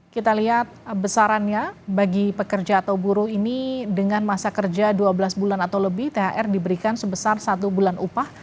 kita lihat besarannya bagi pekerja atau buruh ini dengan masa kerja dua belas bulan atau lebih thr diberikan sebesar satu bulan upah